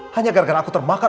hanya gara gara aku terbakar